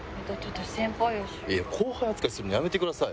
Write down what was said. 後輩扱いするのやめてください。